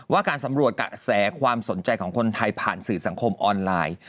การสำรวจกระแสความสนใจของคนไทยผ่านสื่อสังคมออนไลน์